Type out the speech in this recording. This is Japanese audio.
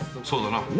そうだな。